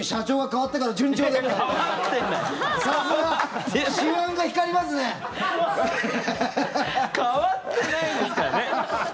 代わってないですからね！